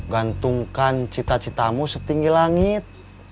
gantungkan cita citamu setinggi langit